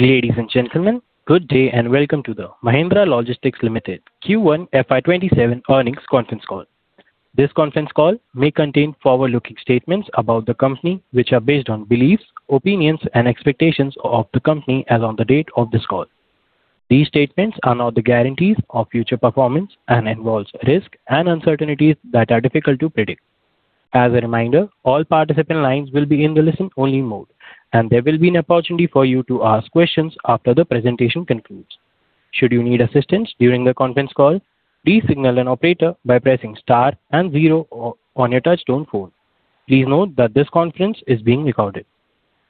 Ladies and gentlemen, good day and welcome to the Mahindra Logistics Limited Q1 FY 2027 Earnings Conference Call. This conference call may contain forward-looking statements about the company, which are based on beliefs, opinions, and expectations of the company as on the date of this call. These statements are not the guarantees of future performance and involves risk and uncertainties that are difficult to predict. As a reminder, all participant lines will be in the listen only mode, and there will be an opportunity for you to ask questions after the presentation concludes. Should you need assistance during the conference call, please signal an operator by pressing star and zero on your touch-tone phone. Please note that this conference is being recorded.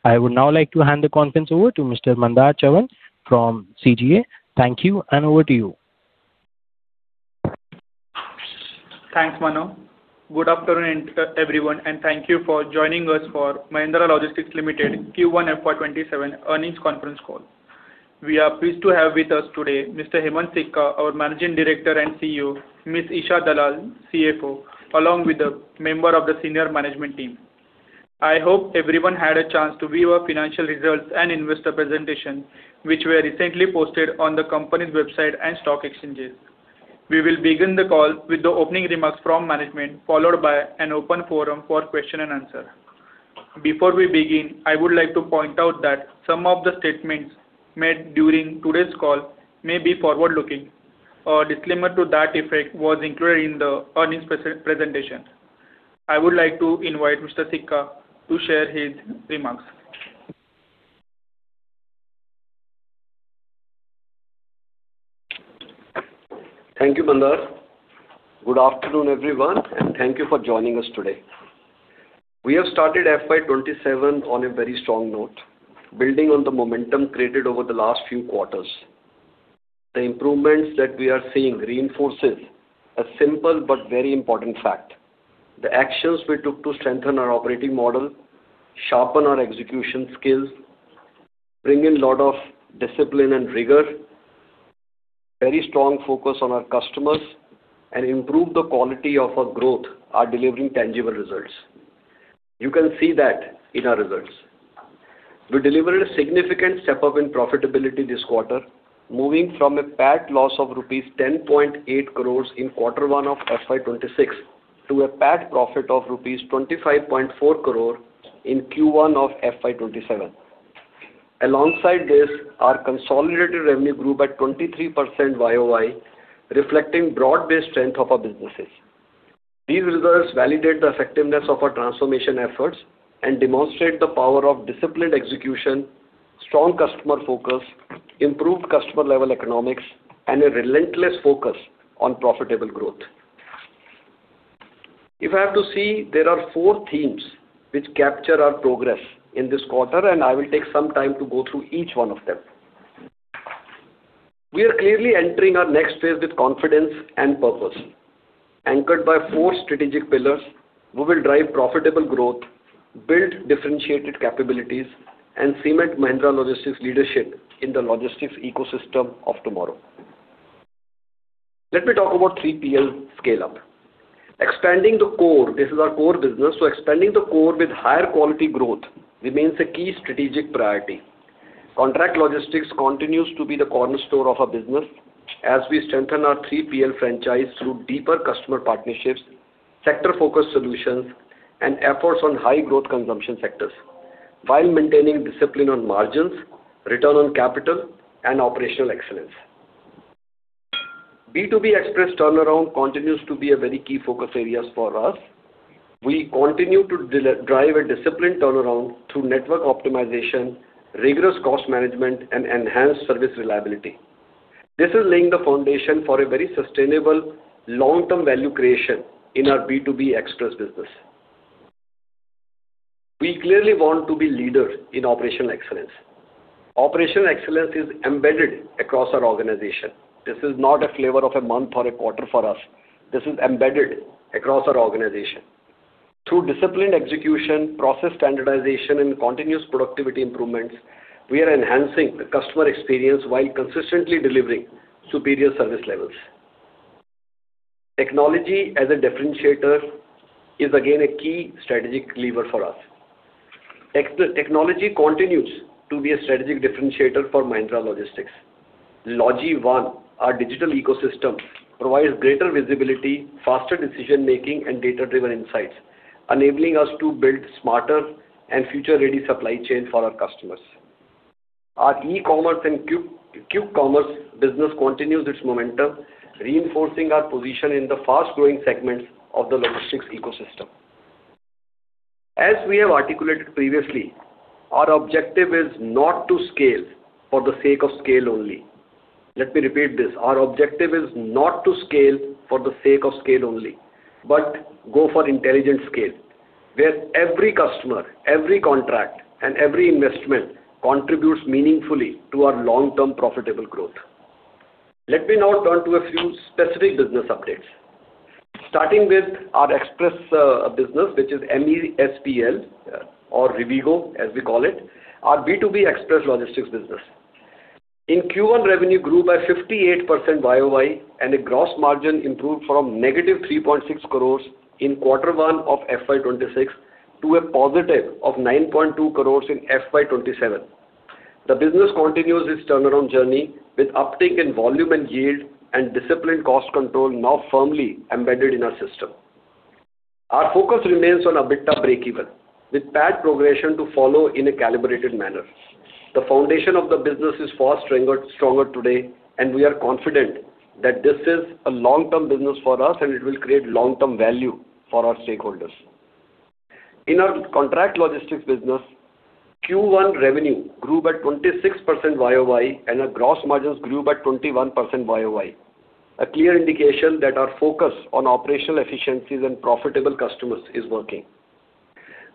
I would now like to hand the conference over to Mr. Mandar Chavan from SGA. Thank you, and over to you. Thanks, Mano. Good afternoon, everyone, and thank you for joining us for Mahindra Logistics Limited Q1 FY 2027 Earnings Conference Call. We are pleased to have with us today Mr. Hemant Sikka, our Managing Director and CEO, Ms. Isha Dalal, CFO, along with the member of the senior management team. I hope everyone had a chance to view our financial results and investor presentation, which were recently posted on the company's website and stock exchanges. We will begin the call with the opening remarks from management, followed by an open forum for question and answer. Before we begin, I would like to point out that some of the statements made during today's call may be forward-looking. A disclaimer to that effect was included in the earnings presentation. I would like to invite Mr. Sikka to share his remarks. Thank you, Mandar. Good afternoon, everyone, and thank you for joining us today. We have started FY 2027 on a very strong note, building on the momentum created over the last few quarters. The improvements that we are seeing reinforces a simple but very important fact. The actions we took to strengthen our operating model, sharpen our execution skills, bring in lot of discipline and rigor, very strong focus on our customers, and improve the quality of our growth are delivering tangible results. You can see that in our results. We delivered a significant step-up in profitability this quarter, moving from a PAT loss of rupees 10.8 crores in quarter one of FY 2026 to a PAT profit of rupees 25.4 crore in Q1 of FY 2027. Alongside this, our consolidated revenue grew by 23% YoY, reflecting broad-based strength of our businesses. These results validate the effectiveness of our transformation efforts and demonstrate the power of disciplined execution, strong customer focus, improved customer-level economics, and a relentless focus on profitable growth. If I have to see, there are four themes which capture our progress in this quarter, and I will take some time to go through each one of them. We are clearly entering our next phase with confidence and purpose. Anchored by four strategic pillars, we will drive profitable growth, build differentiated capabilities, and cement Mahindra Logistics leadership in the logistics ecosystem of tomorrow. Let me talk about 3PL scale-up. Expanding the core, this is our core business, so expanding the core with higher quality growth remains a key strategic priority. Contract logistics continues to be the cornerstone of our business as we strengthen our 3PL franchise through deeper customer partnerships, sector-focused solutions, and efforts on high-growth consumption sectors while maintaining discipline on margins, return on capital, and operational excellence. B2B express turnaround continues to be a very key focus area for us. We continue to drive a disciplined turnaround through network optimization, rigorous cost management, and enhanced service reliability. This is laying the foundation for a very sustainable long-term value creation in our B2B express business. We clearly want to be leaders in operational excellence. Operational excellence is embedded across our organization. This is not a flavor of the month or a quarter for us. This is embedded across our organization. Through disciplined execution, process standardization, and continuous productivity improvements, we are enhancing the customer experience while consistently delivering superior service levels. Technology as a differentiator is again a key strategic lever for us. Technology continues to be a strategic differentiator for Mahindra Logistics. LOGIONE, our digital ecosystem, provides greater visibility, faster decision-making, and data-driven insights, enabling us to build smarter and future-ready supply chain for our customers. Our e-commerce and quick commerce business continues its momentum, reinforcing our position in the fast-growing segments of the logistics ecosystem. As we have articulated previously, our objective is not to scale for the sake of scale only. Let me repeat this. Our objective is not to scale for the sake of scale only, but go for intelligent scale, where every customer, every contract, and every investment contribute meaningfully to our long-term profitable growth. Let me now turn to a few specific business updates. Starting with our express business, which is MESPL, or Rivigo as we call it, our B2B express logistics business. In Q1, revenue grew by 58% YoY, and the gross margin improved from negative 3.6 crores in quarter one of FY 2026 to a positive of 9.2 crores in FY 2027. The business continues its turnaround journey with uptick in volume and yield, and disciplined cost control now firmly embedded in our system. Our focus remains on EBITDA breakeven, with PAT progression to follow in a calibrated manner. The foundation of the business is far stronger today, and we are confident that this is a long-term business for us, and it will create long-term value for our stakeholders. In our contract logistics business, Q1 revenue grew by 26% YoY, and our gross margins grew by 21% YoY, a clear indication that our focus on operational efficiencies and profitable customers is working.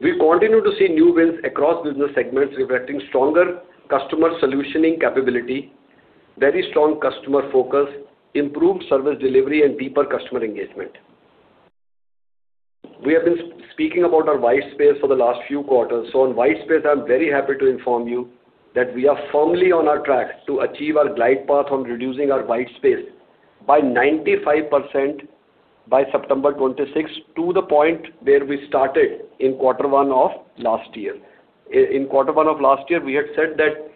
We continue to see new wins across business segments, reflecting stronger customer solutioning capability, very strong customer focus, improved service delivery, and deeper customer engagement. We have been speaking about our white space for the last few quarters. So, on white space, I'm very happy to inform you that we are firmly on our track to achieve our glide path on reducing our white space by 95% by September 2026, to the point where we started in quarter one of last year. In quarter one of last year, we had said that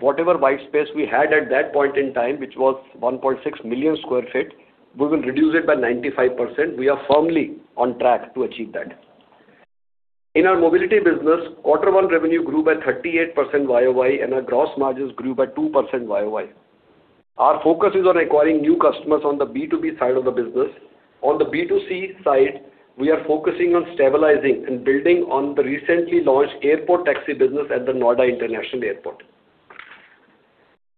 whatever white space we had at that point in time, which was 1.6 million sq ft, we will reduce it by 95%. We are firmly on track to achieve that. In our mobility business, Q1 revenue grew by 38% YoY, and our gross margins grew by 2% YoY. Our focus is on acquiring new customers on the B2B side of the business. On the B2C side, we are focusing on stabilizing and building on the recently launched airport taxi business at the Noida International Airport.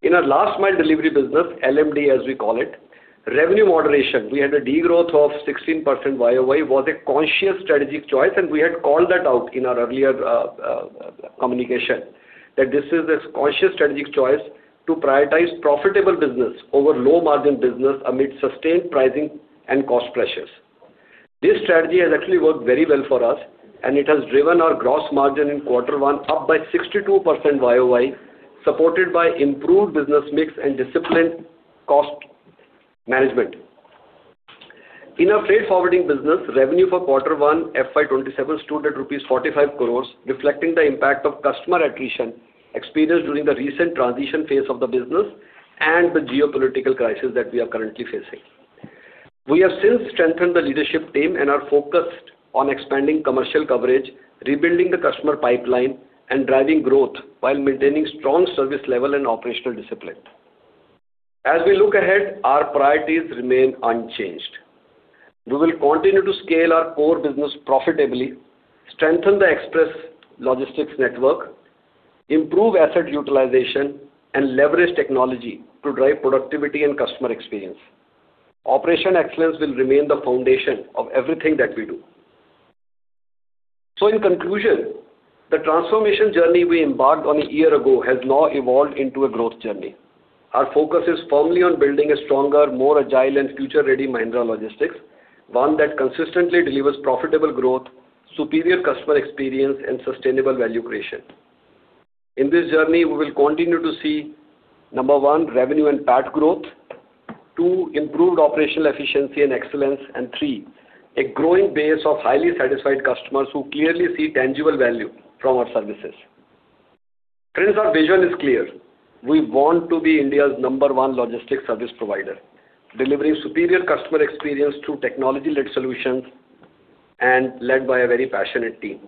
In our last mile delivery business, LMD as we call it, revenue moderation, we had a degrowth of 16% YoY, was a conscious strategic choice. We had called that out in our earlier communication, that this is a conscious strategic choice to prioritize profitable business over low-margin business amid sustained pricing and cost pressures. This strategy has actually worked very well for us. It has driven our gross margin in quarter one up by 62% YoY, supported by improved business mix and disciplined cost management. In our freight forwarding business, revenue for quarter one FY 2027 stood at rupees 45 crore, reflecting the impact of customer attrition experienced during the recent transition phase of the business and the geopolitical crisis that we are currently facing. We have since strengthened the leadership team and are focused on expanding commercial coverage, rebuilding the customer pipeline, and driving growth while maintaining strong service level and operational discipline. As we look ahead, our priorities remain unchanged. We will continue to scale our core business profitably, strengthen the express logistics network, improve asset utilization, and leverage technology to drive productivity and customer experience. Operational excellence will remain the foundation of everything that we do. In conclusion, the transformation journey we embarked on a year ago has now evolved into a growth journey. Our focus is firmly on building a stronger, more agile, and future-ready Mahindra Logistics, one that consistently delivers profitable growth, superior customer experience, and sustainable value creation. In this journey, we will continue to see, number one, revenue and PAT growth, two, improved operational efficiency and excellence, and three, a growing base of highly satisfied customers who clearly see tangible value from our services. Friends, our vision is clear. We want to be India's number one logistics service provider, delivering superior customer experience through technology-led solutions and led by a very passionate team.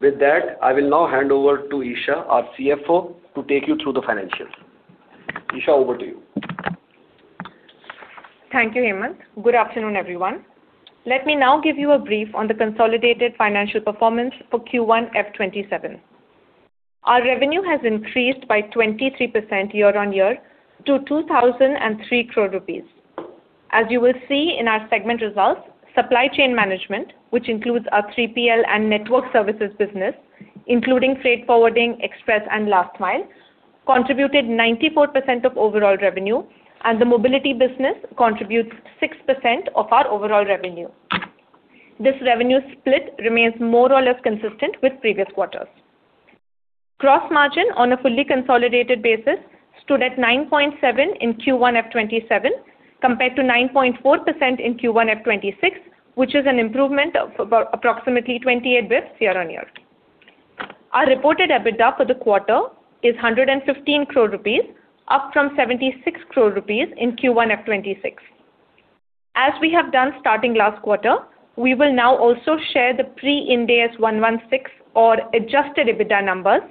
With that, I will now hand over to Isha, our CFO, to take you through the financials. Isha, over to you. Thank you, Hemant. Good afternoon, everyone. Let me now give you a brief on the consolidated financial performance for Q1 FY 2027. Our revenue has increased by 23% year-on-year to 2,003 crore rupees. As you will see in our segment results, supply chain management, which includes our 3PL and network services business, including freight forwarding, express, and last mile, contributed 94% of overall revenue. The mobility business contributes 6% of our overall revenue. This revenue split remains more or less consistent with previous quarters. Gross margin on a fully consolidated basis stood at 9.7% in Q1 of 2027, compared to 9.4% in Q1 of 2026, which is an improvement of approximately 28 basis points year-on-year. Our reported EBITDA for the quarter is 115 crore rupees, up from 76 crore rupees in Q1 FY 2026. As we have done starting last quarter, we will now also share the pre-Ind AS 116 or adjusted EBITDA numbers,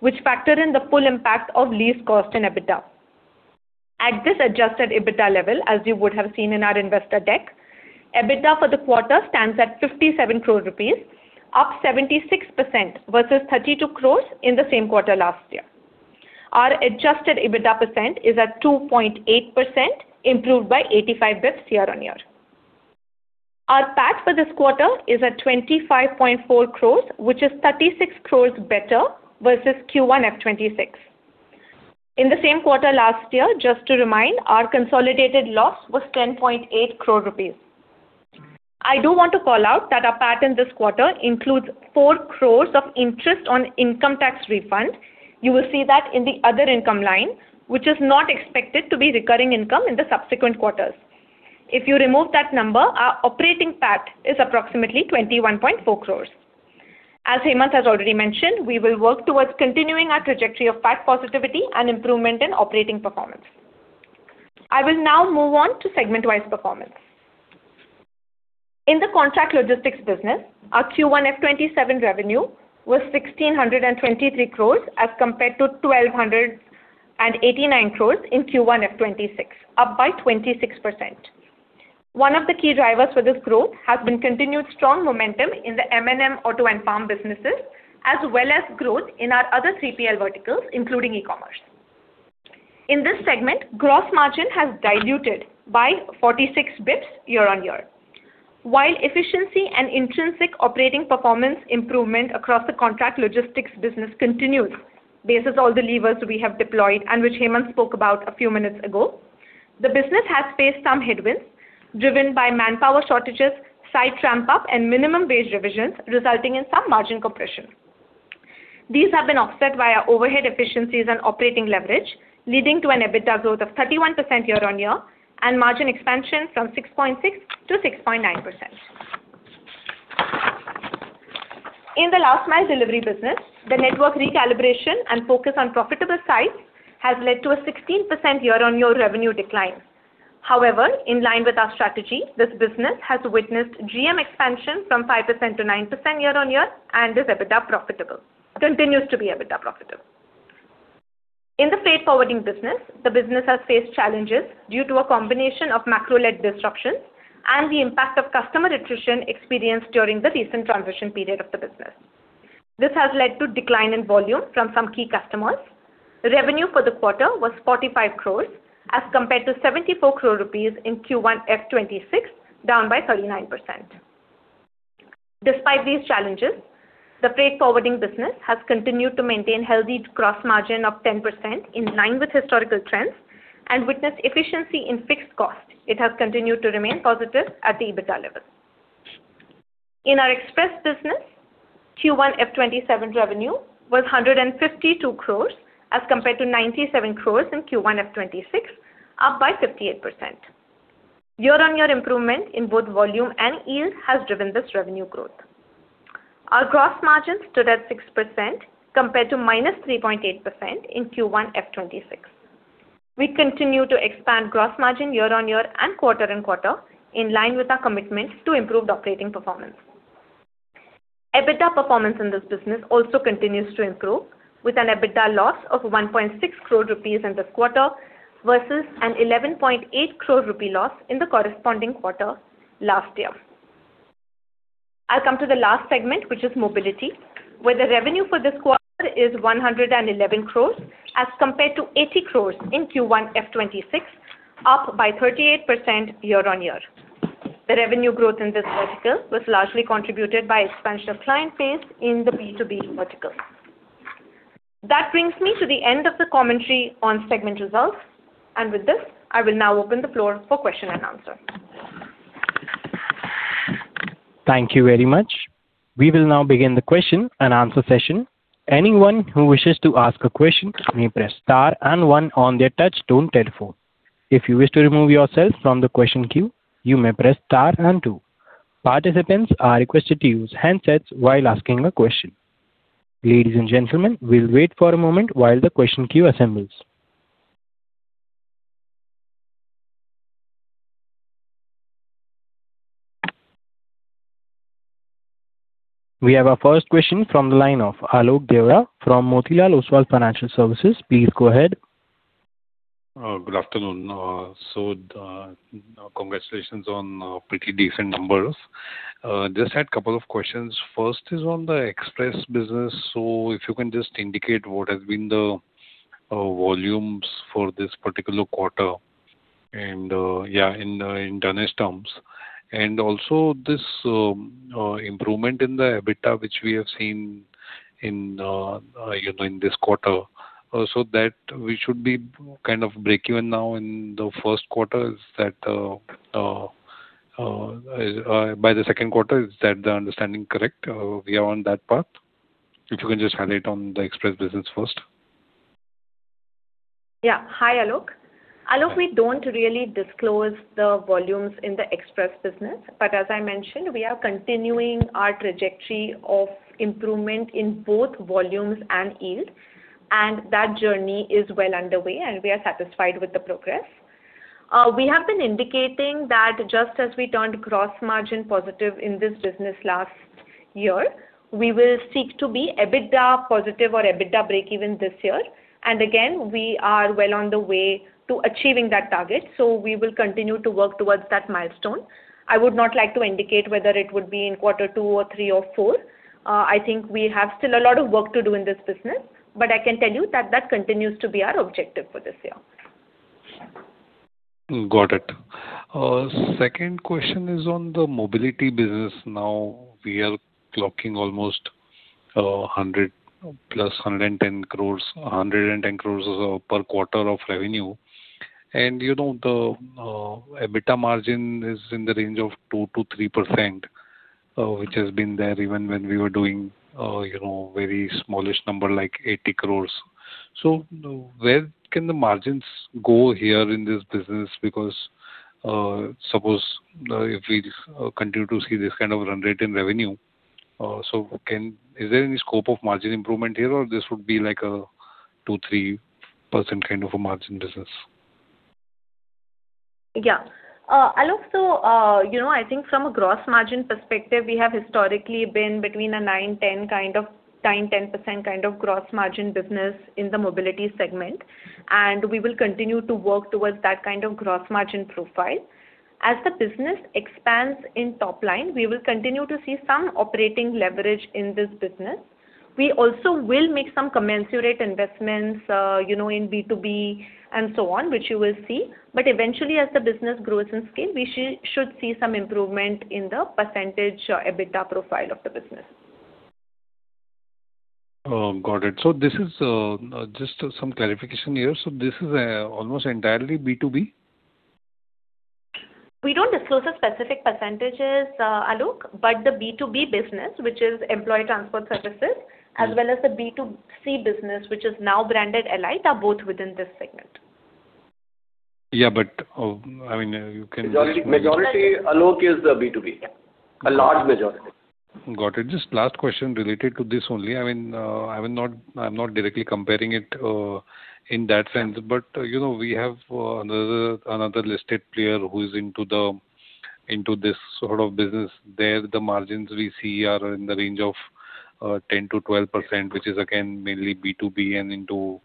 which factor in the full impact of lease cost in EBITDA. At this adjusted EBITDA level, as you would have seen in our investor deck, EBITDA for the quarter stands at 57 crore rupees, up 76% versus 32 crore in the same quarter last year. Our adjusted EBITDA % is at 2.8%, improved by 85 basis points year-on-year. Our PAT for this quarter is at 25.4 crore, which is 36 crore better versus Q1 FY 2026. In the same quarter last year, just to remind, our consolidated loss was 10.8 crore rupees. I do want to call out that our PAT in this quarter includes 4 crore of interest on income tax refund. You will see that in the other income line, which is not expected to be recurring income in the subsequent quarters. If you remove that number, our operating PAT is approximately 21.4 crore. As Hemant has already mentioned, we will work towards continuing our trajectory of PAT positivity and improvement in operating performance. I will now move on to segment-wise performance. In the contract logistics business, our Q1 FY 2027 revenue was 1,623 crore as compared to 1,289 crore in Q1 FY 2026, up by 26%. One of the key drivers for this growth has been continued strong momentum in the M&M Auto and Farm businesses, as well as growth in our other 3PL verticals, including e-commerce. In this segment, gross margin has diluted by 46 basis points year-on-year. While efficiency and intrinsic operating performance improvement across the contract logistics business continues, bases all the levers we have deployed and which Hemant spoke about a few minutes ago, the business has faced some headwinds driven by manpower shortages, site ramp-up, and minimum wage revisions, resulting in some margin compression. These have been offset via overhead efficiencies and operating leverage, leading to an EBITDA growth of 31% year-on-year and margin expansion from 6.6%-6.9%. In the last mile delivery business, the network recalibration and focus on profitable sites has led to a 16% year-on-year revenue decline. However, in line with our strategy, this business has witnessed GM expansion from 5%-9% year-on-year and continues to be EBITDA profitable. In the freight forwarding business, the business has faced challenges due to a combination of macro-led disruptions and the impact of customer attrition experienced during the recent transition period of the business. This has led to decline in volume from some key customers. Revenue for the quarter was 45 crore as compared to 74 crore rupees in Q1 FY 2026, down by 39%. Despite these challenges, the freight forwarding business has continued to maintain healthy gross margin of 10%, in line with historical trends, and witnessed efficiency in fixed cost. It has continued to remain positive at the EBITDA level. In our express business, Q1 FY 2027 revenue was 152 crore as compared to 97 crore in Q1 FY 2026, up by 58%. Year-on-year improvement in both volume and yield has driven this revenue growth. Our gross margin stood at 6% compared to -3.8% in Q1 FY 2026. We continue to expand gross margin year-on-year and quarter-on-quarter, in line with our commitment to improved operating performance. EBITDA performance in this business also continues to improve, with an EBITDA loss of 1.6 crore rupees in this quarter versus an 11.8 crore rupee loss in the corresponding quarter last year. I will come to the last segment, which is mobility, where the revenue for this quarter is 111 crore as compared to 80 crore in Q1 FY 2026, up by 38% year-on-year. The revenue growth in this vertical was largely contributed by expansion of client base in the B2B vertical. That brings me to the end of the commentary on segment results. With this, I will now open the floor for question and answer. Thank you very much. We will now begin the question-and-answer session. Anyone who wishes to ask a question may press star and one on their touch-tone telephone. If you wish to remove yourself from the question queue, you may press star and two. Participants are requested to use handsets while asking a question. Ladies and gentlemen, we'll wait for a moment while the question queue assembles. We have our first question from the line of Alok Deora from Motilal Oswal Financial Services. Please go ahead. Good afternoon. Congratulations on pretty decent numbers. Just had couple of questions. First is on the express business. If you can just indicate what has been the volumes for this particular quarter in tons terms. Also, this improvement in the EBITDA, which we have seen in this quarter, also that we should be kind of breakeven now in the first quarter. By the second quarter, is that the understanding, correct? We are on that path. If you can just highlight on the express business first. Hi, Alok. Alok, we don't really disclose the volumes in the express business. As I mentioned, we are continuing our trajectory of improvement in both volumes and yield. That journey is well underway, and we are satisfied with the progress. We have been indicating that just as we turned gross margin positive in this business last year, we will seek to be EBITDA positive or EBITDA breakeven this year. Again, we are well on the way to achieving that target. We will continue to work towards that milestone. I would not like to indicate whether it would be in quarter two or three or four. I think we have still a lot of work to do in this business, but I can tell you that that continues to be our objective for this year. Got it. Second question is on the mobility business. Now we are clocking almost 100 crore-110 crore per quarter of revenue. The EBITDA margin is in the range of 2%-3%, which has been there even when we were doing very smallish number like 80 crore. Where can the margins go here in this business? Suppose if we continue to see this kind of run rate in revenue, is there any scope of margin improvement here or this would be like a 2%-3% kind of a margin business? Yeah. Alok, I think from a gross margin perspective, we have historically been between a 9%-10% kind of gross margin business in the mobility segment, we will continue to work towards that kind of gross margin profile. As the business expands in top line, we will continue to see some operating leverage in this business. We also will make some commensurate investments in B2B and so on, which you will see. Eventually, as the business grows in scale, we should see some improvement in the percentage EBITDA profile of the business. Got it. Just some clarification here. This is almost entirely B2B? We don't disclose the specific percentages, Alok, the B2B business, which is employee transport services, as well as the B2C business, which is now branded Alyte, are both within this segment. Yeah, but Majority, Alok, is the B2B. A large majority. Got it. Just last question related to this only. I'm not directly comparing it in that sense, but we have another listed player who is into this sort of business. There, the margins we see are in the range of 10%-12%, which is again, mainly B2B and into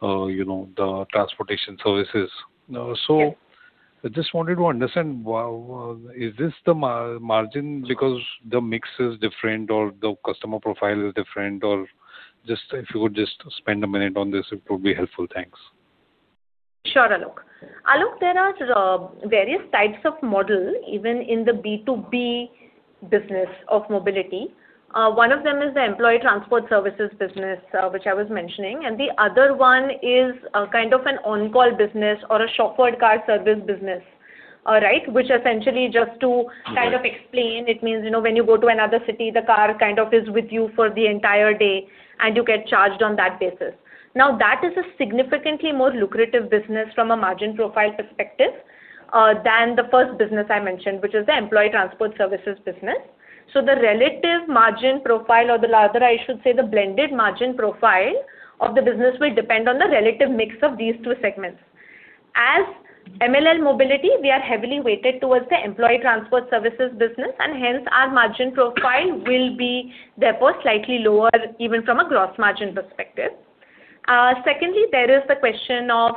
the transportation services. Yes. I just wanted to understand, is this the margin because the mix is different or the customer profile is different? If you would just spend a minute on this, it would be helpful. Thanks. Sure, Alok. Alok, there are various types of model even in the B2B business of mobility. One of them is the employee transport services business, which I was mentioning, and the other one is a kind of an on-call business or a shopper car service business. Which essentially, just to kind of explain, it means when you go to another city, the car kind of is with you for the entire day, and you get charged on that basis. That is a significantly more lucrative business from a margin profile perspective, than the first business I mentioned, which is the employee transport services business. The relative margin profile or the latter, I should say, the blended margin profile of the business will depend on the relative mix of these two segments. As MLL Mobility, we are heavily weighted towards the employee transport services business, and hence, our margin profile will be therefore slightly lower even from a gross margin perspective. Secondly, there is the question of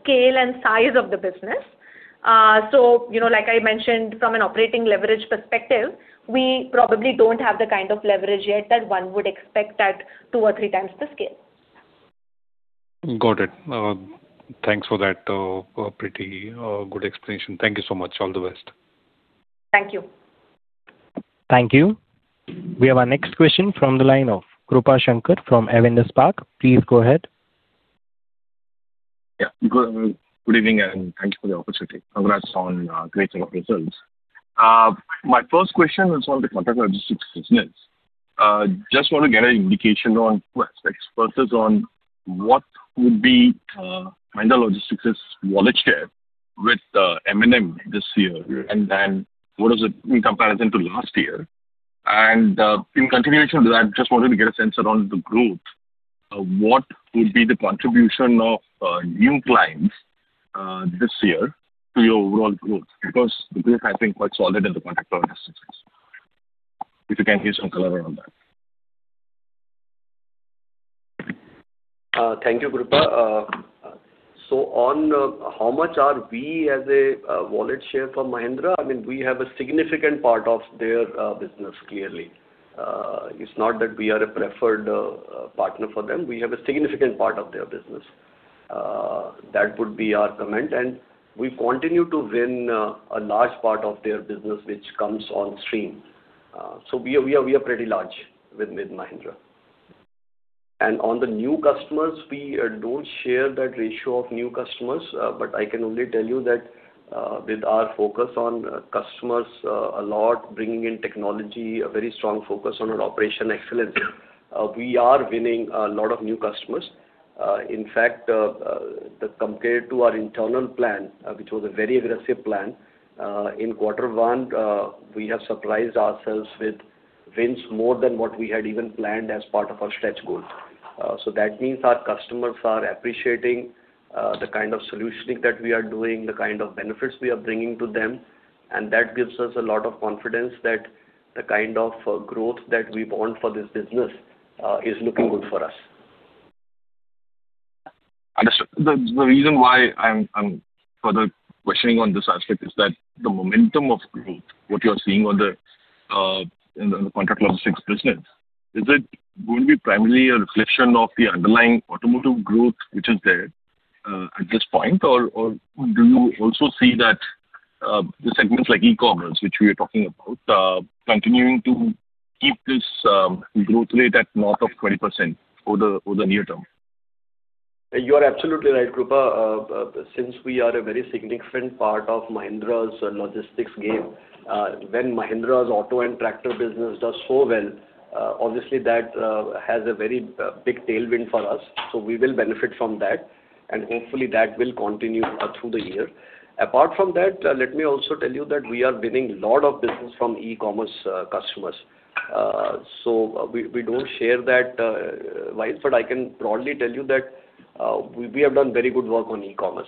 scale and size of the business. Like I mentioned, from an operating leverage perspective, we probably don't have the kind of leverage yet that one would expect at two or three times the scale. Got it. Thanks for that pretty good explanation. Thank you so much. All the best. Thank you. Thank you. We have our next question from the line of Krupa Shankar from Avendus Spark. Please go ahead. Good evening and thank you for the opportunity. Congrats on great set of results. My first question is on the contract logistics business. Just want to get an indication on, first, emphasis on what would be Mahindra Logistics' wallet share with M&M this year, then what is it in comparison to last year. In continuation to that, just wanted to get a sense around the growth. What would be the contribution of new clients this year to your overall growth? Because the growth has been quite solid in the contract logistics. If you can give some color around that. Thank you, Krupa. On how much are we as a wallet share for Mahindra, we have a significant part of their business, clearly. It's not that we are a preferred partner for them. We have a significant part of their business. That would be our comment. We continue to win a large part of their business, which comes on stream. We are pretty large with Mahindra. On the new customers, we don't share that ratio of new customers, but I can only tell you that with our focus on customers a lot, bringing in technology, a very strong focus on an operational excellence, we are winning a lot of new customers. In fact, compared to our internal plan, which was a very aggressive plan, in quarter one, we have surprised ourselves with wins more than what we had even planned as part of our stretch goal. That means our customers are appreciating the kind of solutioning that we are doing, the kind of benefits we are bringing to them, and that gives us a lot of confidence that the kind of growth that we want for this business is looking good for us. Understood. The reason why I'm further questioning on this aspect is that the momentum of growth, what you're seeing on the contract logistics business, is it going to be primarily a reflection of the underlying automotive growth which is there at this point? Or do you also see that the segments like e-commerce, which we are talking about, continuing to keep this growth rate at north of 20% for the near term. You are absolutely right, Krupa. Since we are a very significant part of Mahindra Logistics game, when Mahindra's auto and tractor business does so well, obviously that has a very big tailwind for us, so we will benefit from that, and hopefully that will continue through the year. Apart from that, let me also tell you that we are winning lot of business from e-commerce customers. We don't share that wise, but I can broadly tell you that we have done very good work on e-commerce.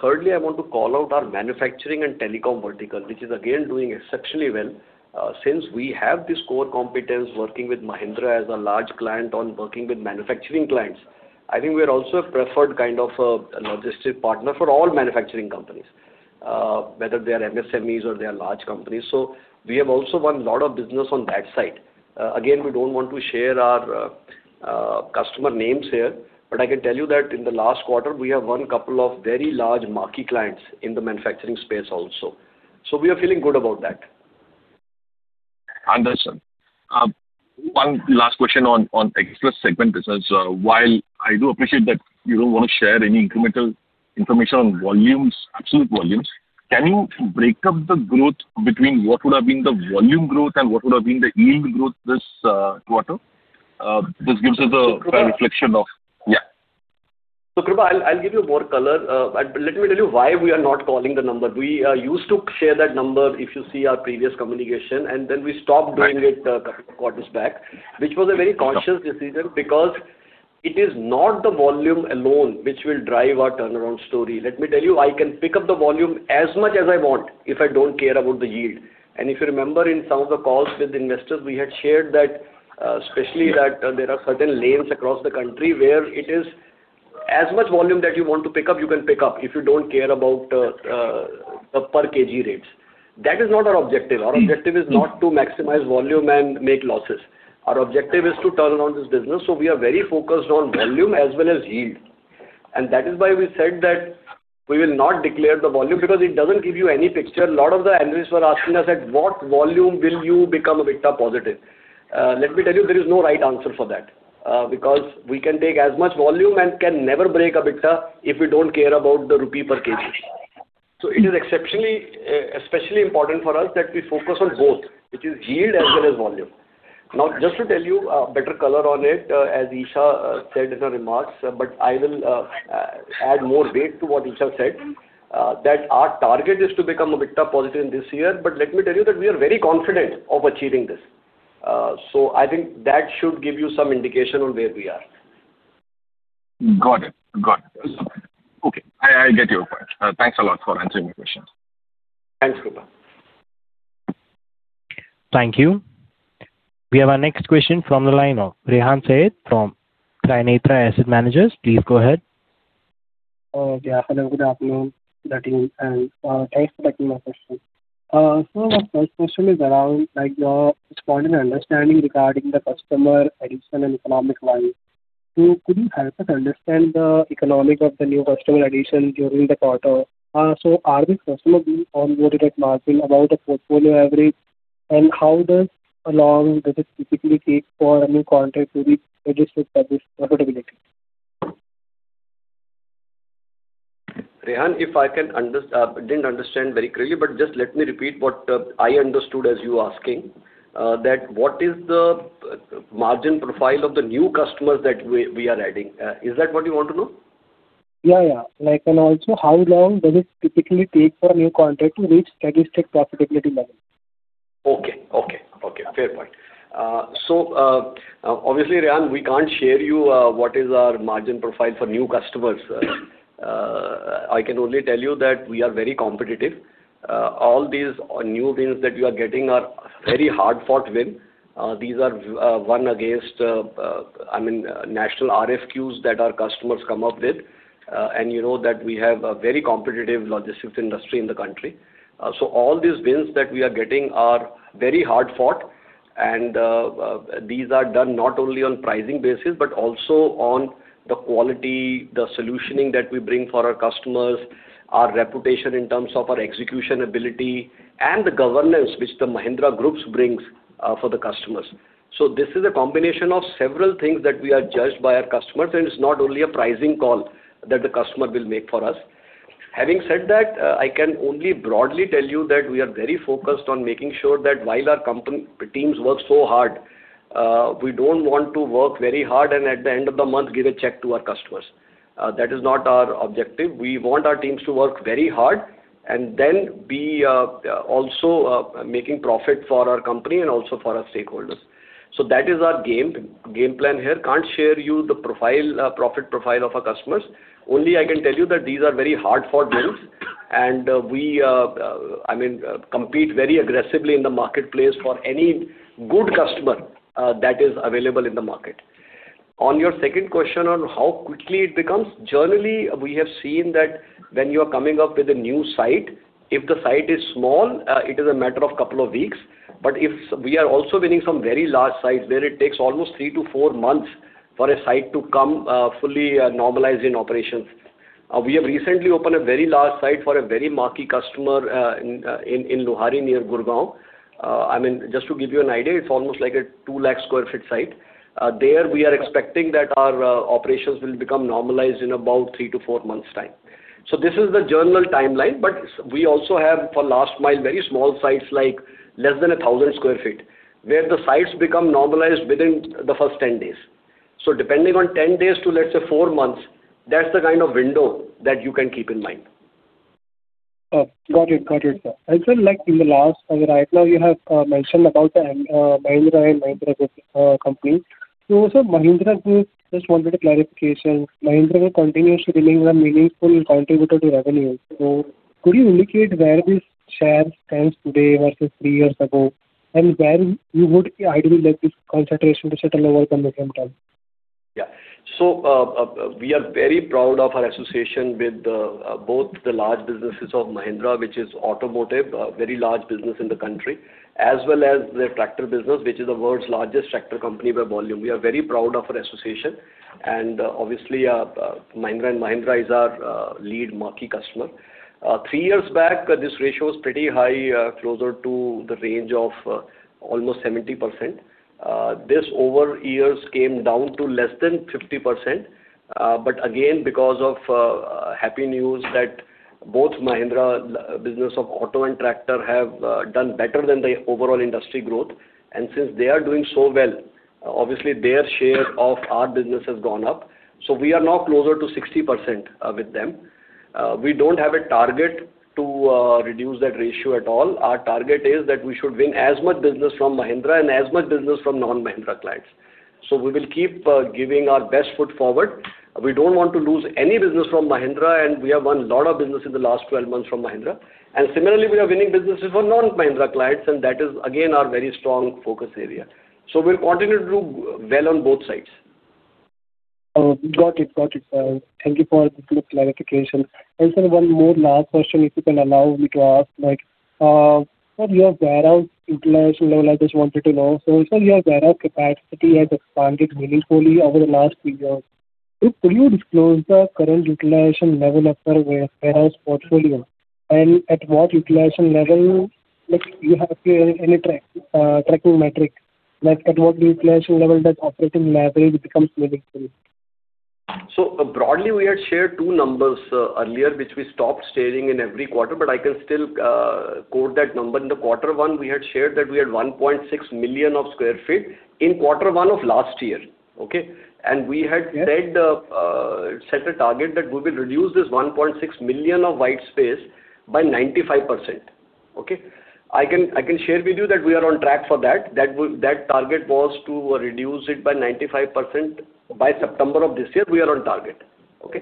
Thirdly, I want to call out our manufacturing and telecom vertical, which is again doing exceptionally well. Since we have this core competence working with Mahindra as a large client on working with manufacturing clients, I think we are also a preferred kind of a logistic partner for all manufacturing companies, whether they are MSMEs or they are large companies. We have also won lot of business on that side. Again, we don't want to share our customer names here, but I can tell you that in the last quarter, we have won couple of very large marquee clients in the manufacturing space also. We are feeling good about that. Understood. One last question on express segment business. While I do appreciate that you don't want to share any incremental information on absolute volumes, can you break up the growth between what would have been the volume growth and what would have been the yield growth this quarter? Just gives us a reflection of. Krupa, I'll give you more color, but let me tell you why we are not calling the number. We used to share that number, if you see our previous communication, and then we stopped doing it a couple of quarters back, which was a very conscious decision because it is not the volume alone which will drive our turnaround story. Let me tell you, I can pick up the volume as much as I want if I don't care about the yield. If you remember in some of the calls with investors, we had shared that, especially that there are certain lanes across the country where it is as much volume that you want to pick up, you can pick up if you don't care about the per kg rates. That is not our objective. Our objective is not to maximize volume and make losses. Our objective is to turn around this business, so we are very focused on volume as well as yield. That is why we said that we will not declare the volume because it doesn't give you any picture. A lot of the analysts were asking us, "At what volume will you become EBITDA positive?" Let me tell you, there is no right answer for that. Because we can take as much volume and can never break EBITDA if we don't care about the rupee per kg. It is especially important for us that we focus on both, which is yield as well as volume. Now, just to tell you a better color on it, as Isha said in her remarks, but I will add more weight to what Isha said, that our target is to become EBITDA positive in this year. Let me tell you that we are very confident of achieving this. I think that should give you some indication on where we are. Got it. Okay. I get your point. Thanks a lot for answering my questions. Thanks, Krupa. Thank you. We have our next question from the line of Rehan Saiyyed from Trinetra Asset Managers. Please go ahead. Hello, good afternoon, the team, and thanks for taking my question. My first question is around your current understanding regarding the customer addition and economic value. Could you help us understand the economics of the new customer addition during the quarter? Are these customers being onboarded at margin above the portfolio average? And how long does it typically take for a new contract to reach registered established profitability? Rehan, I didn't understand very clearly, just let me repeat what I understood as you asking. What is the margin profile of the new customers that we are adding? Is that what you want to know? Yeah. How long does it typically take for a new contract to reach registered profitability level? Okay. Fair point. Obviously, Rehan, we can't share you what is our margin profile for new customers. I can only tell you that we are very competitive. All these new wins that we are getting are very hard-fought win. These are won against national RFQs that our customers come up with. You know that we have a very competitive logistics industry in the country. All these wins that we are getting are very hard-fought and these are done not only on pricing basis, but also on the quality, the solutioning that we bring for our customers, our reputation in terms of our execution ability, and the governance which the Mahindra Group brings for the customers. This is a combination of several things that we are judged by our customers, and it's not only a pricing call that the customer will make for us. Having said that, I can only broadly tell you that we are very focused on making sure that while our teams work so hard, we don't want to work very hard and at the end of the month give a check to our customers. That is not our objective. We want our teams to work very hard and then be also making profit for our company and also for our stakeholders. That is our game plan here. Can't share you the profit profile of our customers. Only I can tell you that these are very hard-fought wins and we compete very aggressively in the marketplace for any good customer that is available in the market. On your second question on how quickly it becomes, generally, we have seen that when you are coming up with a new site, if the site is small, it is a matter of couple of weeks. We are also winning some very large sites where it takes almost three to four months for a site to come fully normalized in operations. We have recently opened a very large site for a very marquee customer in Luhari, near Gurgaon. Just to give you an idea, it's almost like a 2-lakh square foot site. There, we are expecting that our operations will become normalized in about three to four months time. This is the general timeline, but we also have, for last mile, very small sites, like less than 1,000 square feet, where the sites become normalized within the first 10 days. Depending on 10 days to, let's say, four months, that's the kind of window that you can keep in mind. Got it, sir. Sir, like in the last, right now you have mentioned about the Mahindra & Mahindra group company. Sir, Mahindra Group, just wanted a clarification. Mahindra continues to remain a meaningful contributor to revenue. Could you indicate where this share stands today versus three years ago? When you would ideally like this concentration to settle over from the current time? Yeah. We are very proud of our association with both the large businesses of Mahindra, which is automotive, a very large business in the country, as well as their tractor business, which is the world's largest tractor company by volume. We are very proud of our association, and obviously, Mahindra & Mahindra is our lead marquee customer. Three years back, this ratio was pretty high, closer to the range of almost 70%. These over years came down to less than 50%, but again, because of happy news that both Mahindra business of auto and tractor have done better than the overall industry growth. Since they are doing so well, obviously their share of our business has gone up. We are now closer to 60% with them. We don't have a target to reduce that ratio at all. Our target is that we should win as much business from Mahindra and as much business from non-Mahindra clients. We will keep giving our best foot forward. We don't want to lose any business from Mahindra, and we have won a lot of business in the last 12 months from Mahindra. Similarly, we are winning businesses for non-Mahindra clients, and that is, again, our very strong focus area. We'll continue to do well on both sides. Got it, sir. Thank you for the quick clarification. Sir, one more last question if you can allow me to ask. Sir, your warehouse utilization level, I just wanted to know. Sir, your warehouse capacity has expanded meaningfully over the last few years. Sir, could you disclose the current utilization level of your warehouse portfolio and at what utilization level, you have any tracking metric, at what utilization level does operating leverage becomes meaningful? Broadly, we had shared two numbers earlier, which we stopped stating in every quarter, but I can still quote that number. In the quarter one, we had shared that we had 1.6 million sq ft in quarter one of last year, okay? Yes We had set a target that we will reduce this 1.6 million sq ft of white space by 95%. Okay. I can share with you that we are on track for that. That target was to reduce it by 95% by September of this year. We are on target. Okay.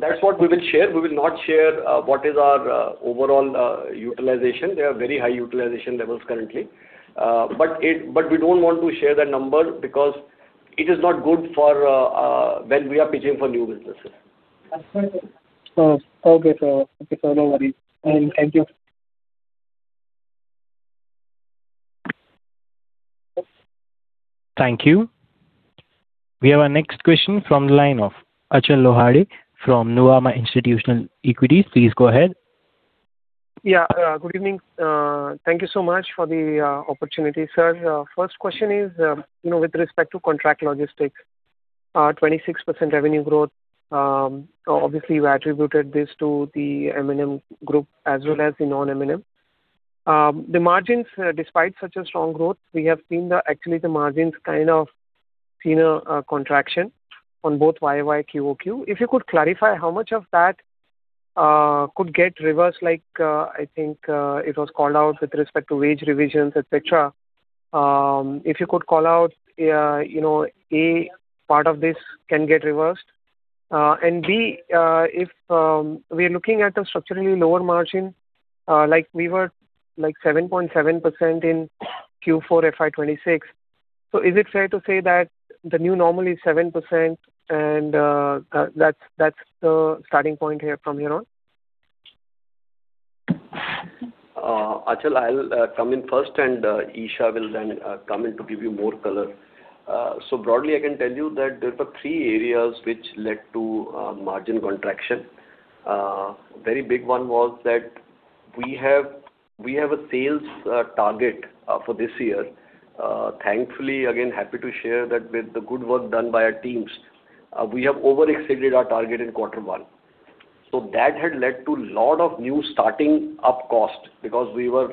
That's what we will share. We will not share what is our overall utilization. They are very high utilization levels currently. We don't want to share that number because it is not good for when we are pitching for new businesses. Okay, sir. No worries. Thank you. Thank you. We have our next question from the line of Achal Lohade from Nuvama Institutional Equities. Please go ahead. Yeah. Good evening. Thank you so much for the opportunity, sir. First question is, with respect to contract logistics, 26% revenue growth, obviously you attributed this to the M&M group as well as the non-M&M. The margins, despite such a strong growth, we have seen that actually the margins kind of seen a contraction on both year-over-year, quarter-over-quarter. If you could clarify how much of that could get reversed, like, I think, it was called out with respect to wage revisions, et cetera. If you could call out, A, part of this can get reversed. B, if we're looking at a structurally lower margin, like we were 7.7% in Q4 FY 2026, is it fair to say that the new normal is 7% and that's the starting point from here on? Achal, I'll come in first, Isha will then come in to give you more color. Broadly, I can tell you that there were three areas which led to margin contraction. A very big one was that we have a sales target for this year. Thankfully, again, happy to share that with the good work done by our teams, we have over exceeded our target in quarter one. That had led to lot of new starting up cost because we were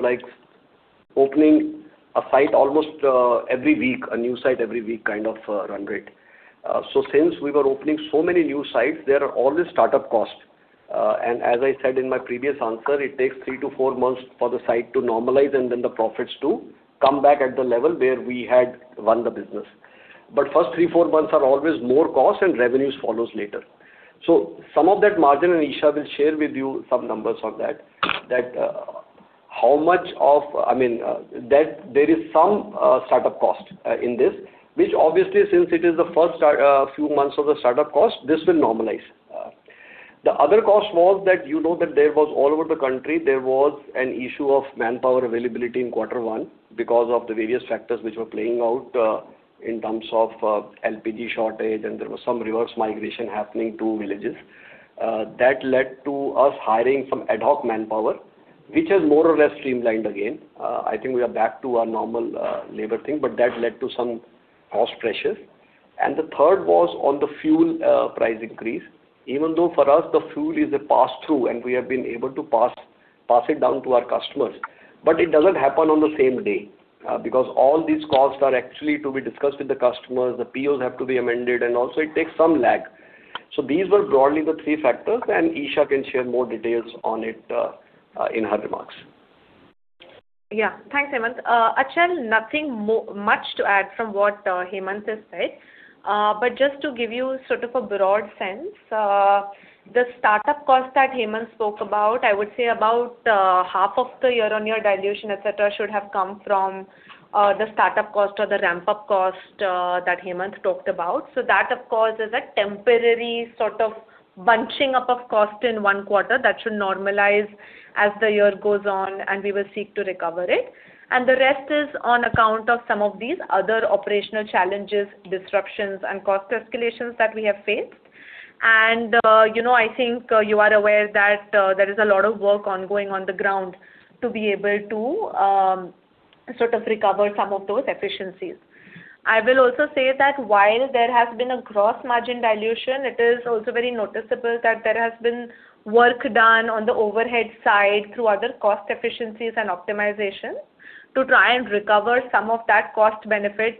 opening a site almost every week, a new site every week kind of run rate. Since we were opening so many new sites, there are always start-up costs. As I said in my previous answer, it takes three to four months for the site to normalize and then the profits to come back at the level where we had won the business. First three, four months are always more cost and revenues follows later. Some of that margin, Isha will share with you some numbers on that, there is some start-up cost in this, which obviously, since it is the first few months of the start-up cost, this will normalize. The other cost was that you know that all over the country, there was an issue of manpower availability in quarter one because of the various factors which were playing out in terms of LPG shortage, and there was some reverse migration happening to villages. That led to us hiring some ad hoc manpower, which has more or less streamlined again. I think we are back to our normal labor thing, but that led to some cost pressures. The third was on the fuel price increase. Even though for us the fuel is a pass-through, we have been able to pass it down to our customers. It doesn't happen on the same day because all these costs are actually to be discussed with the customers, the POs have to be amended, it also takes some lag. These were broadly the three factors, and Isha can share more details on it in her remarks. Yeah. Thanks, Hemant. Achal, nothing much to add from what Hemant has said. Just to give you sort of a broad sense, the startup cost that Hemant spoke about, I would say about half of the year-on-year dilution, et cetera, should have come from the startup cost or the ramp-up cost that Hemant talked about. That, of course, is a temporary sort of bunching up of cost in one quarter that should normalize as the year goes on, we will seek to recover it. The rest is on account of some of these other operational challenges, disruptions, cost escalations that we have faced. I think you are aware that there is a lot of work ongoing on the ground to be able to sort of recover some of those efficiencies. I will also say that while there has been a gross margin dilution, it is also very noticeable that there has been work done on the overhead side through other cost efficiencies and optimization to try and recover some of that cost hit at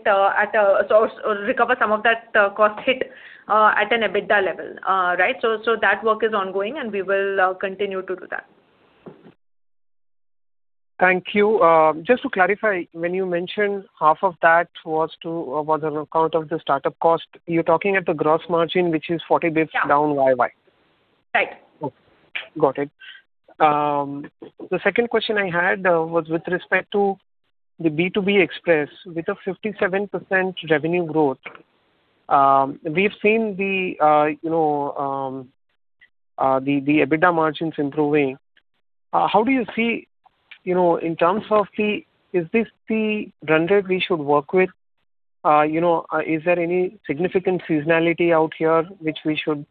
an EBITDA level. Right. That work is ongoing, we will continue to do that. Thank you. Just to clarify, when you mentioned half of that was on account of the startup cost, you're talking at the gross margin, which is 40 basis points? Yeah down year-over-year? Right. Okay. Got it. The second question I had was with respect to the B2B Express. With a 57% revenue growth, we've seen the EBITDA margins improving. How do you see, is this the run rate we should work with? Is there any significant seasonality out here which we should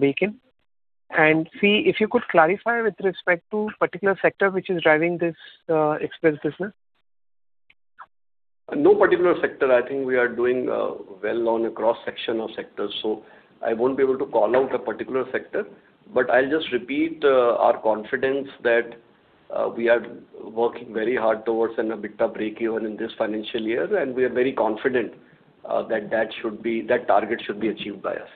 bake in? C, if you could clarify with respect to particular sector which is driving this Express business. No particular sector. I think we are doing well on a cross-section of sectors, so I won't be able to call out a particular sector. I'll just repeat our confidence that we are working very hard towards an EBITDA breakeven in this financial year, we are very confident that target should be achieved by us.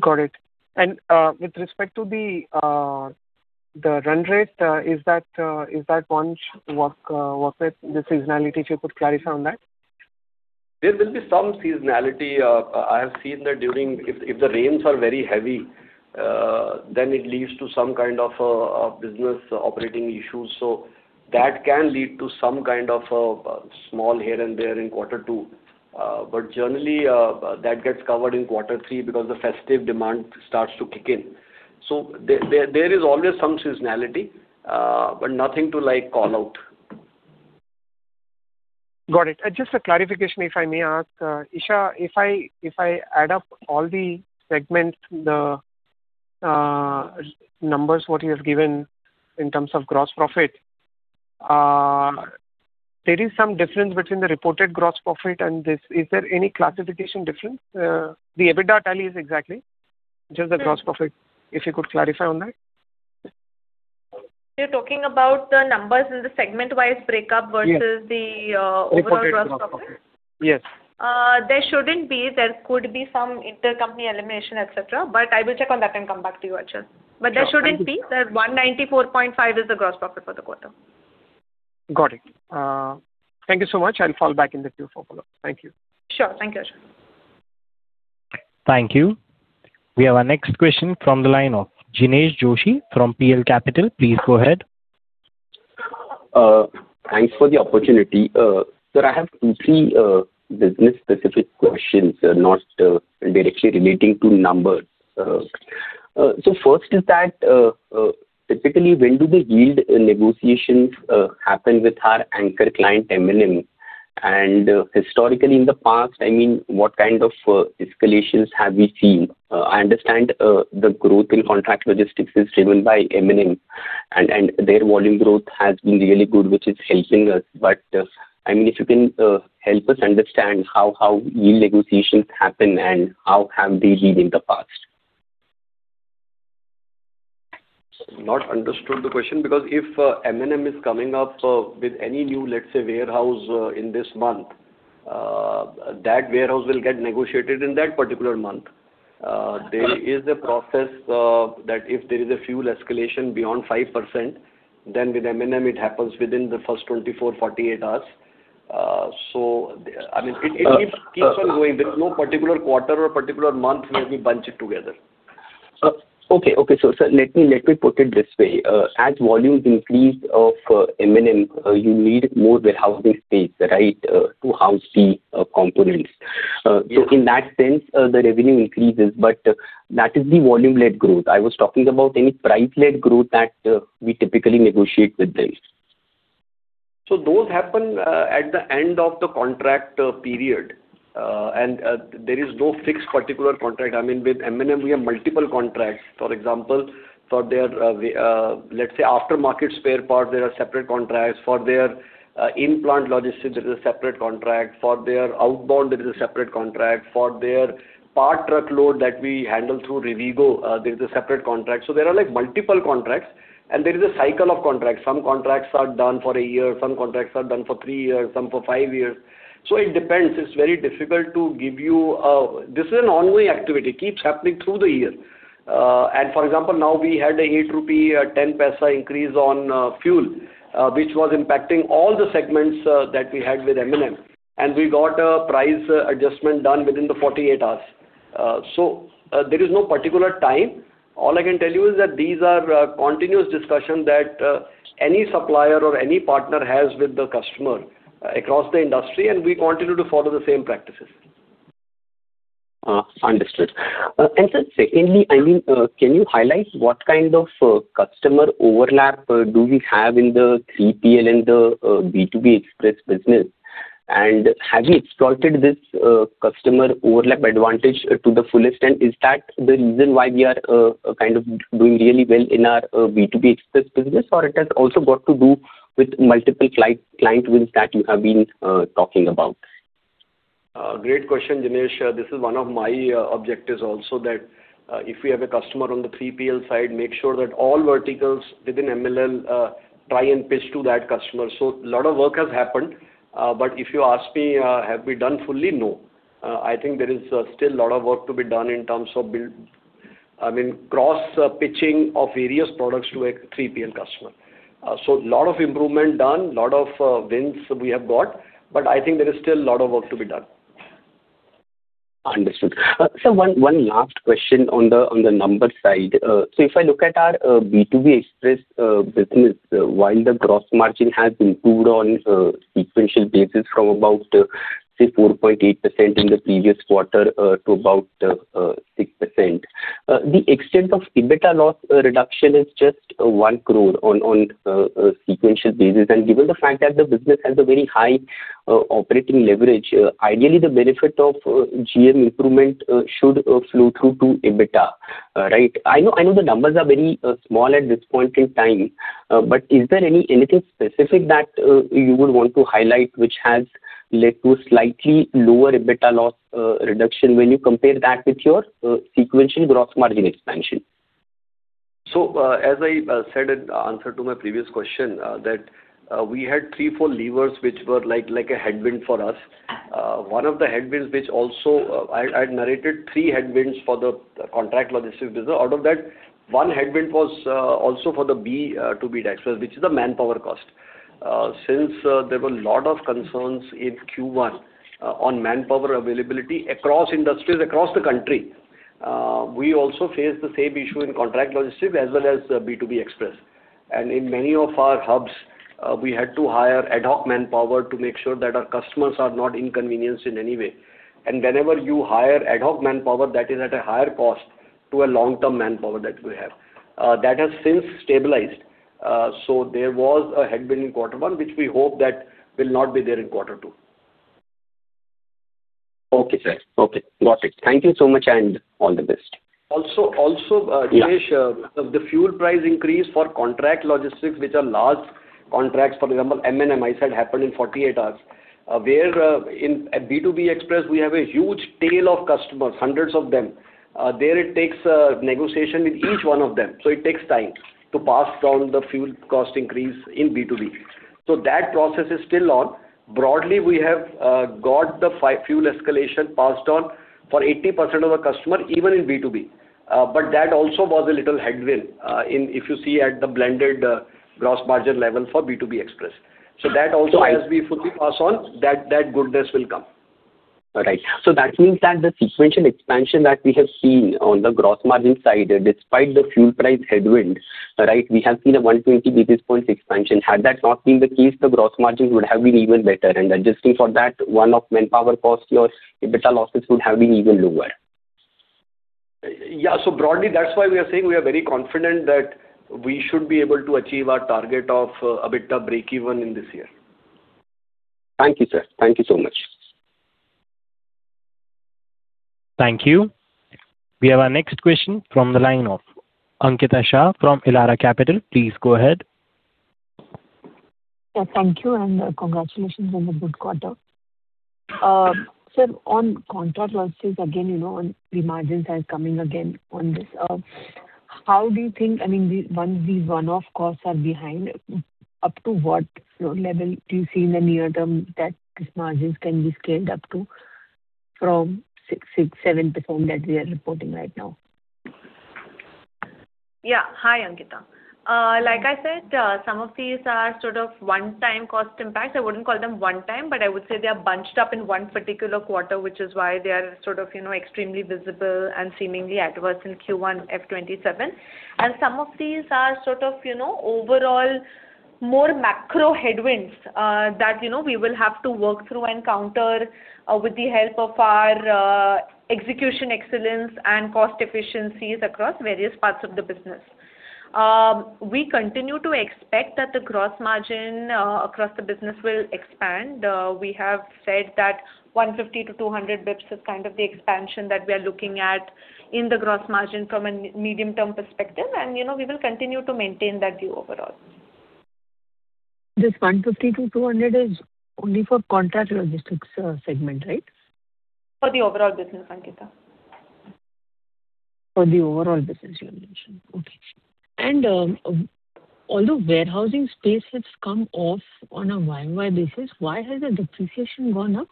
Got it. With respect to the run rate, is that one should work with the seasonality. Could you put clarity on that? There will be some seasonality. I have seen that if the rains are very heavy, then it leads to some kind of business operating issues. That can lead to some kind of a small here and there in quarter two. Generally, that gets covered in quarter three because the festive demand starts to kick in. There is always some seasonality, but nothing to call out. Got it. Just a clarification, if I may ask. Isha, if I add up all the segments, the numbers what you have given in terms of gross profit, there is some difference between the reported gross profit and this. Is there any classification difference? The EBITDA tallies exactly. Just the gross profit. If you could clarify on that. You are talking about the numbers in the segment-wise breakup versus the overall gross profit? Yes. There shouldn't be. There could be some intercompany elimination, et cetera, I will check on that and come back to you, Achal. There shouldn't be. The 194.5 is the gross profit for the quarter. Got it. Thank you so much. I'll fall back in the queue for follow-up. Thank you. Sure. Thank you, Achal. Thank you. We have our next question from the line of Jinesh Joshi from PL Capital. Please go ahead. Thanks for the opportunity. Sir, I have two, three business-specific questions, not directly relating to numbers. First is that, typically, when do the yield negotiations happen with our anchor client, M&M? Historically in the past, what kind of escalations have we seen? I understand the growth in contract logistics is driven by M&M, and their volume growth has been really good, which is helping us. If you can help us understand how yield negotiations happen and how have they been in the past. Not understood the question, because if M&M is coming up with any new, let's say, warehouse in this month, that warehouse will get negotiated in that particular month. There is a process that if there is a fuel escalation beyond 5%, then with M&M, it happens within the first 24, 48 hours. It keeps on going. There is no particular quarter or particular month where we bunch it together. Okay. Sir, let me put it this way. As volumes increase of M&M, you need more warehousing space to house the components. Yeah. In that sense, the revenue increases, but that is the volume-led growth. I was talking about any price-led growth that we typically negotiate with this. Those happen at the end of the contract period. There is no fixed particular contract. With M&M, we have multiple contracts. For example, let's say after-market spare part, there are separate contracts. For their in-plant logistics, there is a separate contract. For their outbound, there is a separate contract. For their part truckload that we handle through Rivigo, there is a separate contract. There are multiple contracts, and there is a cycle of contracts. Some contracts are done for one year, some contracts are done for three years, some for five years. It depends. It's very difficult to give you a. This is an ongoing activity, keeps happening through the year. For example, now we had a rupee 8.10 increase on fuel, which was impacting all the segments that we had with M&M, and we got a price adjustment done within the 48 hours. There is no particular time. All I can tell you is that these are continuous discussions that any supplier or any partner has with the customer across the industry, and we continue to follow the same practices. Understood. Sir, secondly, can you highlight what kind of customer overlap do we have in the 3PL and the B2B Express business? Have you exploited this customer overlap advantage to the fullest, and is that the reason why we are doing really well in our B2B Express business? It has also got to do with multiple client wins that you have been talking about? Great question, Jinesh. This is one of my objectives also, that if we have a customer on the 3PL side, make sure that all verticals within MLL try and pitch to that customer. A lot of work has happened. But if you ask me, have we done fully? No. I think there is still a lot of work to be done in terms of cross-pitching of various products to a 3PL customer. A lot of improvement done, lot of wins we have got, but I think there is still a lot of work to be done. Understood. Sir, one last question on the numbers side. If I look at our B2B Express business, while the gross margin has improved on a sequential basis from about, say, 4.8% in the previous quarter to about 6%. The extent of EBITDA loss reduction is just 1 crore on a sequential basis, and given the fact that the business has a very high operating leverage, ideally, the benefit of GM improvement should flow through to EBITDA, right? I know the numbers are very small at this point in time. But is there anything specific that you would want to highlight which has led to slightly lower EBITDA loss reduction when you compare that with your sequential gross margin expansion? As I said in answer to my previous question, that we had three, four levers which were like a headwind for us. I had narrated three headwinds for the contract logistics business. Out of that, one headwind was also for the B2B Express, which is the manpower cost. Since there were lot of concerns in Q1 on manpower availability across industries across the country, we also faced the same issue in contract logistics as well as B2B Express. In many of our hubs, we had to hire ad hoc manpower to make sure that our customers are not inconvenienced in any way. Whenever you hire ad hoc manpower, that is at a higher cost to a long-term manpower that we have. That has since stabilized. There was a headwind in quarter one, which we hope that will not be there in quarter two. Okay, sir. Okay, got it. Thank you so much, and all the best. Jinesh Yeah The fuel price increase for contract logistics, which are large contracts, for example, M&M, I said, happened in 48 hours. Where in B2B Express, we have a huge tail of customers, hundreds of them. There it takes a negotiation with each one of them. It takes time to pass down the fuel cost increase in B2B. That process is still on. Broadly, we have got the fuel escalation passed on for 80% of the customer, even in B2B. That also was a little headwind, if you see at the blended gross margin level for B2B Express. That also as we fully pass on, that goodness will come. That means that the sequential expansion that we have seen on the gross margin side, despite the fuel price headwind, we have seen a 120 basis points expansion. Had that not been the case, the gross margin would have been even better. Adjusting for that one-off manpower cost, your EBITDA losses would have been even lower. Yeah. Broadly, that's why we are saying we are very confident that we should be able to achieve our target of EBITDA breakeven in this year. Thank you, sir. Thank you so much. Thank you. We have our next question from the line of Ankita Shah from Elara Capital. Please go ahead. Yeah. Thank you, and congratulations on the good quarter. Sir, on contract logistics again, the margins are coming again on this. How do you think, once these one-off costs are behind, up to what level do you see in the near term that these margins can be scaled up to from 6%-7% that we are reporting right now? Yeah. Hi, Ankita. Like I said, some of these are sort of one-time cost impacts. I wouldn't call them one time, but I would say they are bunched up in one particular quarter, which is why they are extremely visible and seemingly adverse in Q1 FY 2027. Some of these are sort of overall more macro headwinds that we will have to work through and counter with the help of our execution excellence and cost efficiencies across various parts of the business. We continue to expect that the gross margin across the business will expand. We have said that 150-200 basis points is kind of the expansion that we are looking at in the gross margin from a medium-term perspective, and we will continue to maintain that view overall. This 150-200 is only for contract logistics segment, right? For the overall business, Ankita. For the overall business you mentioned. Okay. Although warehousing space has come off on a YoY basis, why has the depreciation gone up?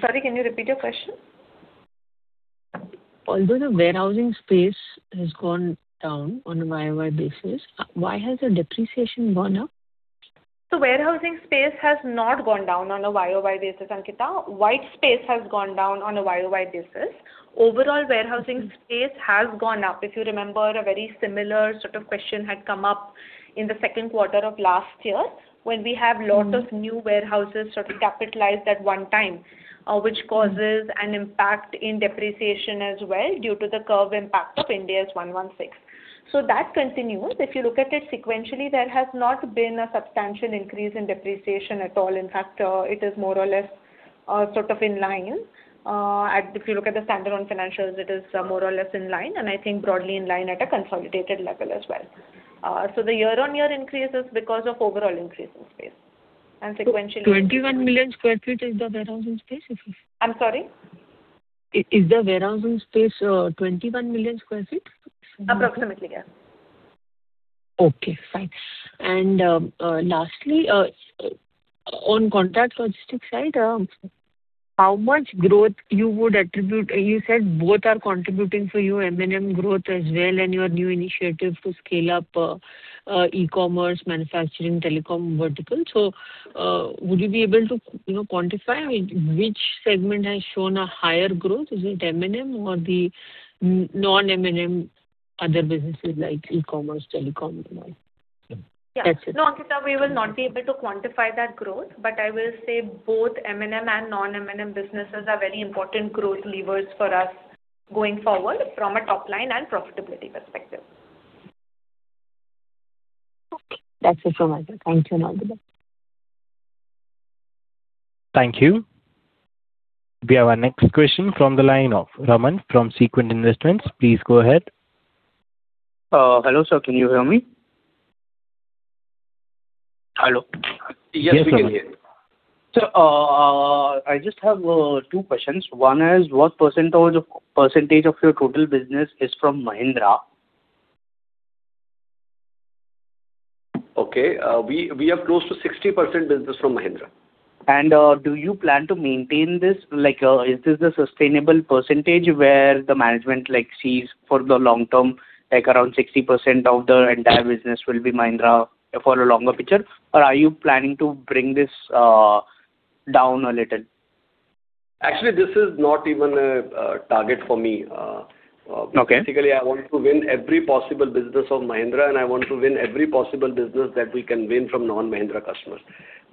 Sorry, can you repeat your question? Although the warehousing space has gone down on a YoY basis, why has the depreciation gone up? The warehousing space has not gone down on a YoY basis, Ankita. White space has gone down on a YoY basis. Overall warehousing space has gone up. If you remember, a very similar sort of question had come up in the second quarter of last year when we have lot of new warehouses sort of capitalized at one time, which causes an impact in depreciation as well due to the curve impact of Ind AS 116. That continues. If you look at it sequentially, there has not been a substantial increase in depreciation at all. In fact, it is more or less sort of in line. If you look at the standalone financials, it is more or less in line, and I think broadly in line at a consolidated level as well. The year-on-year increase is because of overall increase in space. 21 million sq ft is the warehousing space? I'm sorry. Is the warehousing space 21 million sq ft? Approximately, yeah. Okay, fine. Lastly, on contract logistics side, how much growth you would attribute-- You said both are contributing for you, M&M growth as well, and your new initiative to scale up e-commerce, manufacturing, telecom vertical. Would you be able to quantify which segment has shown a higher growth? Is it M&M or the non-M&M other businesses like e-commerce, telecom? Yeah. That's it. No, Ankita, we will not be able to quantify that growth. I will say both M&M and non-M&M businesses are very important growth levers for us going forward from a topline and profitability perspective. Okay. That's it from my side. Thank you, Anvita. Thank you. We have our next question from the line of Raman from Sequent Investments. Please go ahead. Hello sir, can you hear me? Hello. Yes, we can hear you. Sir, I just have two questions. One is, what percentage of your total business is from Mahindra? We have close to 60% business from Mahindra. Do you plan to maintain this? Is this a sustainable percentage where the management sees for the long term, around 60% of the entire business will be Mahindra for a longer picture? Are you planning to bring this down a little? Actually, this is not even a target for me. Okay. Basically, I want to win every possible business of Mahindra, I want to win every possible business that we can win from non-Mahindra customers.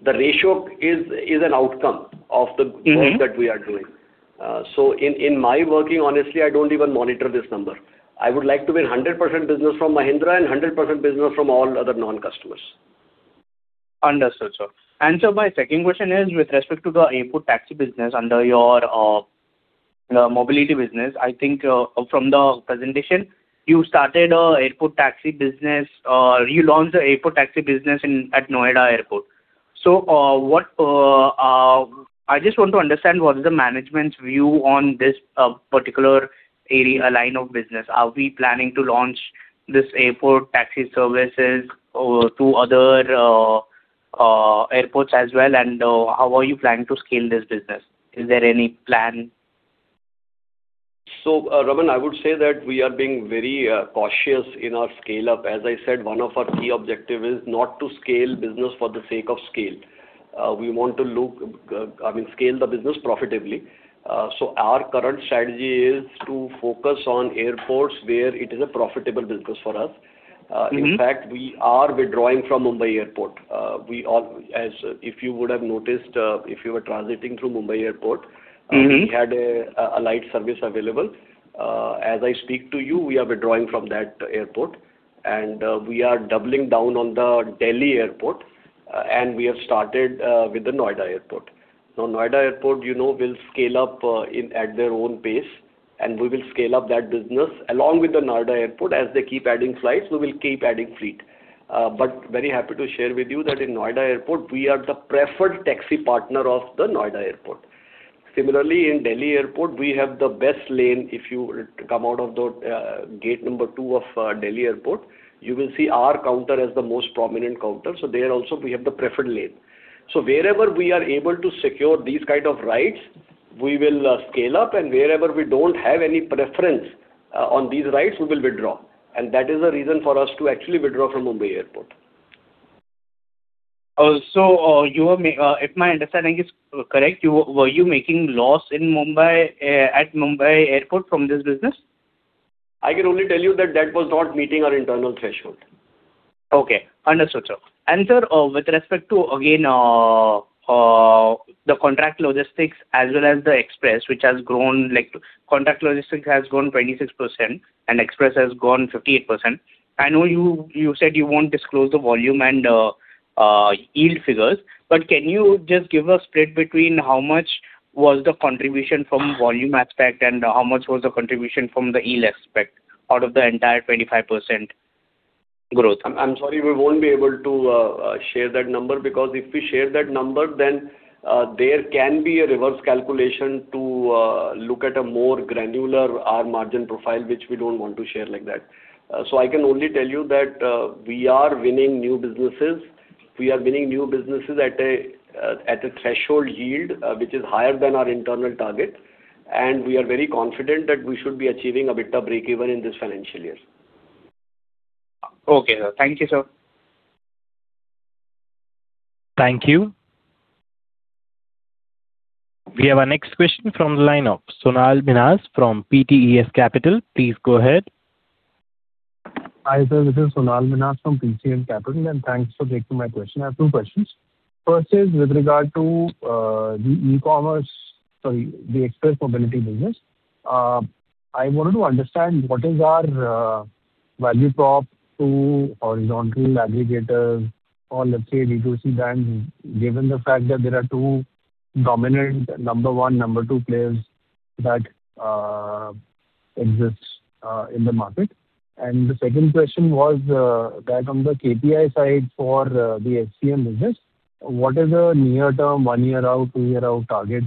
The ratio is an outcome of the work that we are doing. In my working, honestly, I don't even monitor this number. I would like to win 100% business from Mahindra and 100% business from all other non-customers. Understood, sir. Sir, my second question is with respect to the airport taxi business under your mobility business. I think from the presentation, you started a airport taxi business or relaunched the airport taxi business at Noida Airport. I just want to understand what the management's view on this particular area is, line of business. Are we planning to launch this airport taxi services to other airports as well? How are you planning to scale this business? Is there any plan? Raman, I would say that we are being very cautious in our scale-up. As I said, one of our key objective is not to scale business for the sake of scale. We want to scale the business profitably. Our current strategy is to focus on airports where it is a profitable business for us. In fact, we are withdrawing from Mumbai Airport. If you would have noticed, if you were transiting through Mumbai Airport. We had Alyte service available. As I speak to you, we are withdrawing from that airport, we are doubling down on the Delhi Airport, we have started with the Noida Airport. Noida Airport will scale up at their own pace, we will scale up that business along with the Noida Airport. As they keep adding flights, we will keep adding fleet. Very happy to share with you that in Noida Airport, we are the preferred taxi partner of the Noida Airport. Similarly, in Delhi Airport, we have the best lane. If you were to come out of the gate number 2 of Delhi Airport, you will see our counter as the most prominent counter. There also, we have the preferred lane. Wherever we are able to secure these kinds of rides, we will scale up, and wherever we don't have any preference on these rides, we will withdraw. That is a reason for us to actually withdraw from Mumbai Airport. If my understanding is correct, were you making loss at Mumbai Airport from this business? I can only tell you that that was not meeting our internal threshold. Okay. Understood, sir. Sir, with respect to, again, the contract logistics as well as the express. Contract logistics has grown 26% and express has grown 58%. I know you said you won't disclose the volume and yield figures, but can you just give a split between how much was the contribution from volume aspect and how much was the contribution from the yield aspect out of the entire 25% growth? I'm sorry, we won't be able to share that number because if we share that number, then there can be a reverse calculation to look at a more granular, our margin profile, which we don't want to share like that. I can only tell you that we are winning new businesses at a threshold yield, which is higher than our internal target, and we are very confident that we should be achieving EBITDA breakeven in this financial year. Okay, sir. Thank you, sir. Thank you. We have our next question from the line of Sonal Minhas from PTF Capital. Please go ahead. Hi there, this is Sonal Minhas from PTF Capital, thanks for taking my question. I have two questions. First is with regard to the express mobility business. I wanted to understand what is our value prop to horizontal aggregators or let's say B2C banks, given the fact that there are two dominant number 1, number 2 players that exist in the market. The second question was that on the KPI side for the SCM business, what is a near term, one year out, two years out target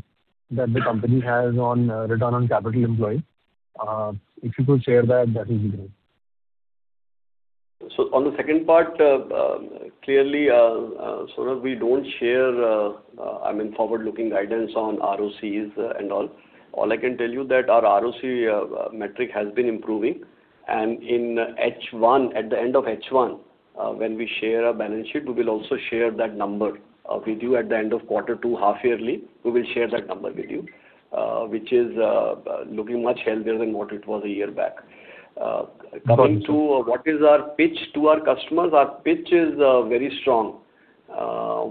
that the company has on return on capital employed? If you could share that would be great. On the second part, clearly, Sonal, we don't share forward-looking guidance on ROCs and all. All I can tell you that our ROC metric has been improving, and at the end of H1, when we share our balance sheet, we will also share that number with you at the end of quarter two, half yearly. We will share that number with you, which is looking much healthier than what it was a year back. Got it. Coming to what is our pitch to our customers, our pitch is very strong.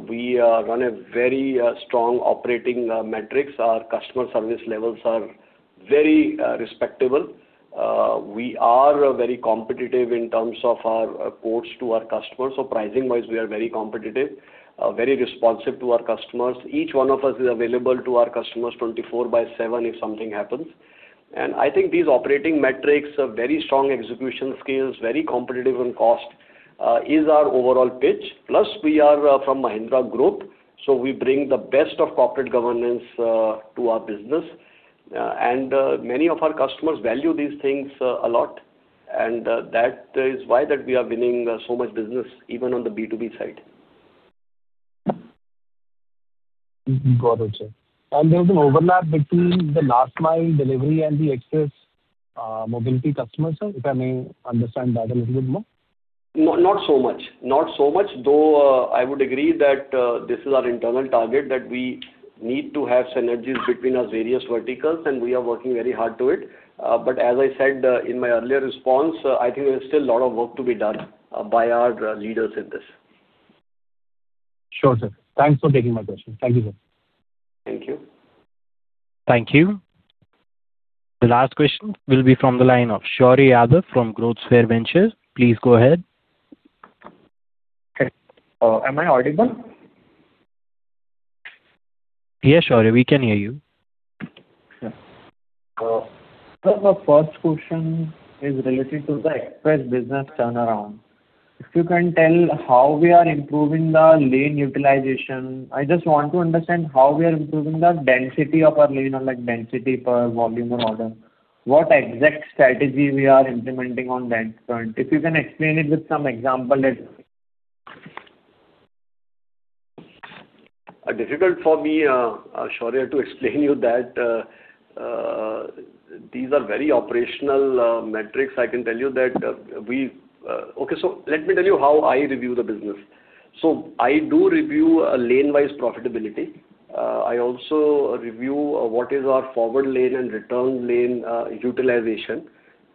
We run a very strong operating metrics. Our customer service levels are very respectable. We are very competitive in terms of our quotes to our customers, so pricing-wise, we are very competitive, very responsive to our customers. Each one of us is available to our customers 24 by 7 if something happens. Plus, we are from Mahindra Group, so we bring the best of corporate governance to our business. Many of our customers value these things a lot, and that is why that we are winning so much business, even on the B2B side. Got it, sir. There is an overlap between the last mile delivery and the express mobility customers, sir, if I may understand that a little bit more. Not so much. I would agree that this is our internal target that we need to have synergies between our various verticals, and we are working very hard to it. As I said in my earlier response, I think there is still a lot of work to be done by our leaders in this. Sure, sir. Thanks for taking my question. Thank you, sir. Thank you. Thank you. The last question will be from the line of Shaurya Yadav from Growthsquare Ventures. Please go ahead. Am I audible? Yes, Shaurya, we can hear you. Sure. Sir, my first question is related to the express business turnaround. If you can tell how we are improving the lane utilization. I just want to understand how we are improving the density of our lane or density per volume or order. What exact strategy we are implementing on that front? If you can explain it with some example, that'd be great. Difficult for me, Shaurya, to explain you that. These are very operational metrics. Let me tell you how I review the business. I do review lane-wise profitability. I also review what is our forward lane and return lane utilization.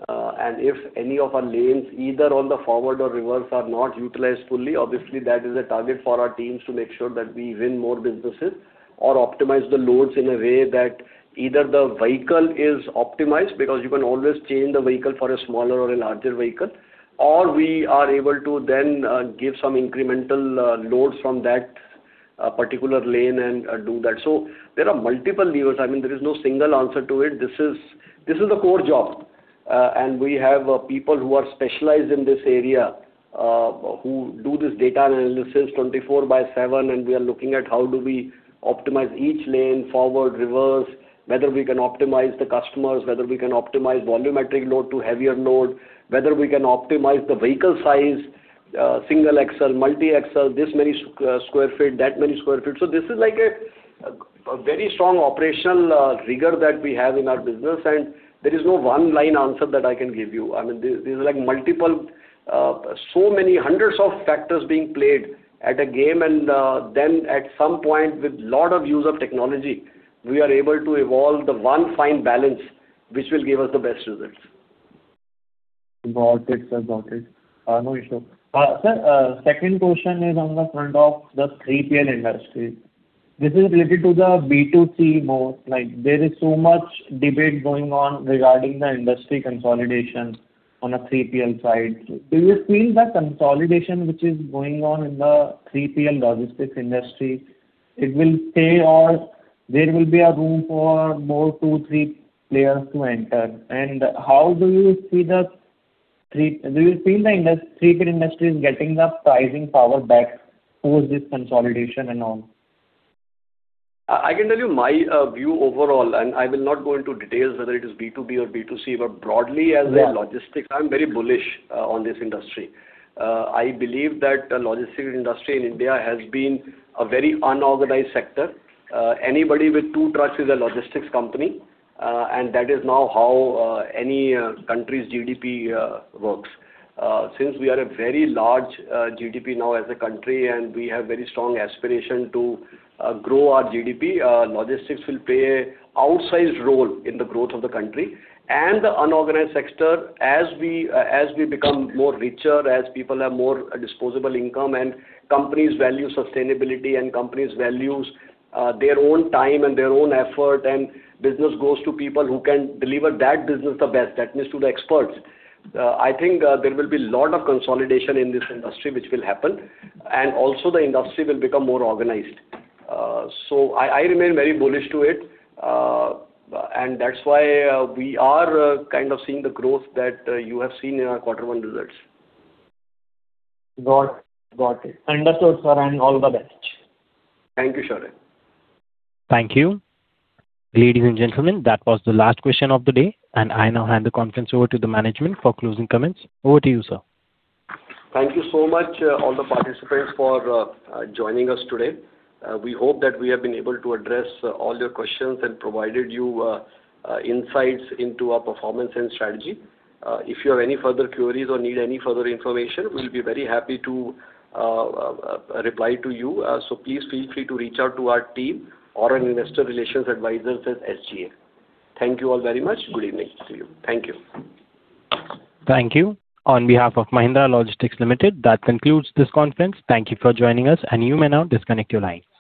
If any of our lanes, either on the forward or reverse are not utilized fully, obviously that is a target for our teams to make sure that we win more businesses or optimize the loads in a way that either the vehicle is optimized, because you can always change the vehicle for a smaller or a larger vehicle, or we are able to then give some incremental loads from that particular lane and do that. There are multiple levers. There is no single answer to it. This is a core job. We have people who are specialized in this area who do this data analysis 24 by 7, and we are looking at how do we optimize each lane, forward, reverse, whether we can optimize the customers, whether we can optimize volumetric load to heavier load, whether we can optimize the vehicle size, single axle, multi-axle, this many sq ft, that many sq ft. This is like a very strong operational rigor that we have in our business, and there is no one-line answer that I can give you. These are multiple, so many hundreds of factors being played at a game, and then at some point, with lot of use of technology, we are able to evolve the one fine balance, which will give us the best results. Got it, sir. No issue. Sir, second question is on the front of the 3PL industry. This is related to the B2C mode. There is so much debate going on regarding the industry consolidation on a 3PL side. Do you feel the consolidation which is going on in the 3PL logistics industry, it will stay, or there will be a room for more two, three players to enter? Do you feel the 3PL industry is getting the pricing power back post this consolidation and all? I can tell you my view overall, and I will not go into details whether it is B2B or B2C, but broadly as a logistics, I'm very bullish on this industry. I believe that the logistics industry in India has been a very unorganized sector. Anybody with two trucks is a logistics company, and that is now how any country's GDP works. Since we are a very large GDP now as a country and we have very strong aspiration to grow our GDP, logistics will play an outsized role in the growth of the country and the unorganized sector as we become more richer, as people have more disposable income and companies value sustainability and companies value their own time and their own effort, and business goes to people who can deliver that business the best, that means to the experts. I think there will be lot of consolidation in this industry which will happen, and also the industry will become more organized. I remain very bullish to it, and that is why we are kind of seeing the growth that you have seen in our quarter one results. Got it. Understood, sir, all the best. Thank you, Shaurya. Thank you. Ladies and gentlemen, that was the last question of the day, I now hand the conference over to the management for closing comments. Over to you, sir. Thank you so much all the participants for joining us today. We hope that we have been able to address all your questions and provided you insights into our performance and strategy. If you have any further queries or need any further information, we'll be very happy to reply to you. Please feel free to reach out to our team or our investor relations advisors at SGA. Thank you all very much. Good evening to you. Thank you. Thank you. On behalf of Mahindra Logistics Limited, that concludes this conference. Thank you for joining us, and you may now disconnect your line.